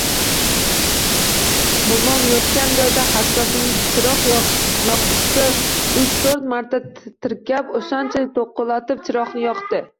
Momom yotgan joyida hassasini chiroq yoqqichga uch-toʻrt marta tirkab, oʻshancha toʻqillatib chiroqni yoqdi.